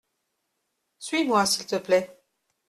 Suis-moi s’il te plait .